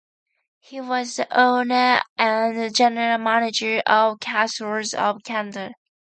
He was the owner and General Manager of "Cash Rolls of Canada".